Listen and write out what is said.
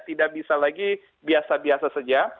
tidak bisa lagi biasa biasa saja